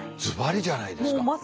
ズバリじゃないですか。